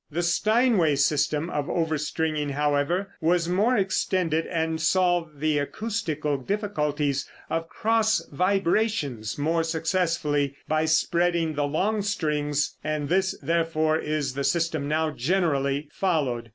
The Steinway system of overstringing, however, was more extended, and solved the acoustical difficulties of cross vibrations more successfully by spreading the long strings, and this, therefore, is the system now generally followed.